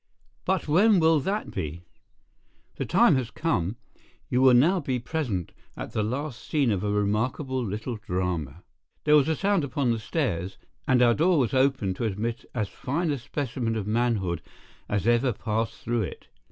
"But when will that be?" "The time has come. You will now be present at the last scene of a remarkable little drama." There was a sound upon the stairs, and our door was opened to admit as fine a specimen of manhood as ever passed through it.